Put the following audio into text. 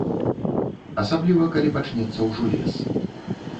Асабліва калі пачнецца ўжо лес.